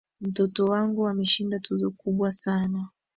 Mtoto wangu ameshinda tuzo kubwa sana.